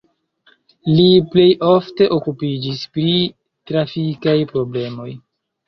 Li plej ofte okupiĝis pri trafikaj problemoj.